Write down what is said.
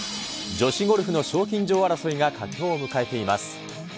女子ゴルフの賞金女王争いが佳境を迎えています。